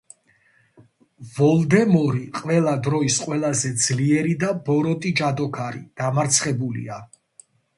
ვოლდემორი, ყველა დროის ყველაზე ძლიერი და ბოროტი ჯადოქარი, დამარცხებულია.